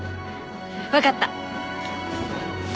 分かった！